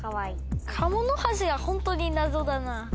カモノハシはホントに謎だなぁ。